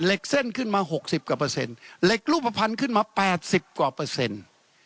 เส้นขึ้นมาหกสิบกว่าเปอร์เซ็นต์เหล็กรูปภัณฑ์ขึ้นมาแปดสิบกว่าเปอร์เซ็นต์